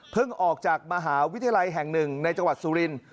ออกจากมหาวิทยาลัยแห่งหนึ่งในจังหวัดสุรินทร์